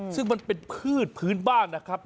ซึ่งมันเป็นพืชพื้นบ้านนะครับ